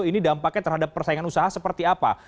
ini dampaknya terhadap persaingan usaha seperti apa